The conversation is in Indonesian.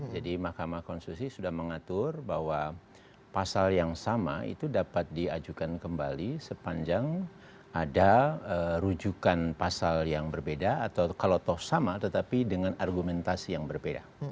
jadi mahkamah konstitusi sudah mengatur bahwa pasal yang sama itu dapat diajukan kembali sepanjang ada rujukan pasal yang berbeda atau kalau toh sama tetapi dengan argumentasi yang berbeda